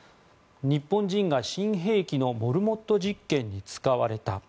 日本人が新兵器のモルモット実験に使われた。